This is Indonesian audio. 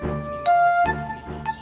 kamu mau ke rumah